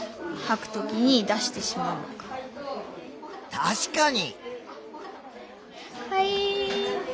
確かに！